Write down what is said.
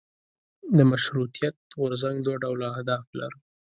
د مشروطیت غورځنګ دوه ډوله اهداف لرل.